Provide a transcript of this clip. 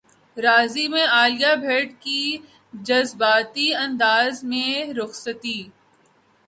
راضی میں عالیہ بھٹ کی جذباتی انداز میں رخصتی